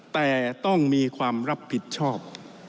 แต่ต้องมีความรับผิดชอบ